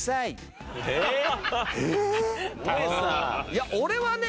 いや俺はね